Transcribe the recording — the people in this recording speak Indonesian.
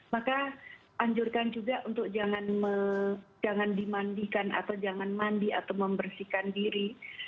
maka anjurkan juga untuk jangan dimandikan atau jangan mandi atau membersihkan diri